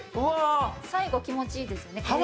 ◆最後、気持ちいいですね。